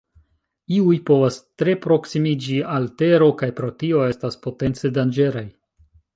Iuj povas tre proksimiĝi al Tero, kaj pro tio estas potence danĝeraj.